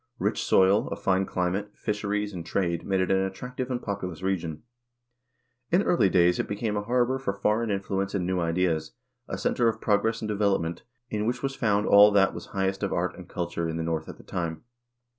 Rich soil, a fine climate, fisheries, and trade made it an attractive and populous region. In early ages it became a harbor for foreign influence and new ideas, a center of progress and develop ment, in which was found all that was highest of art and culture in the North at that time.